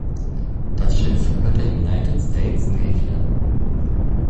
Das Schiff gehört der United States Navy an.